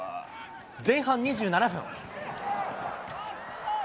前半２７分。